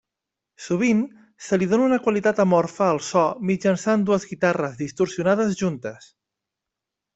Sovint, se li dóna una qualitat amorfa al so mitjançant dues guitarres distorsionades juntes.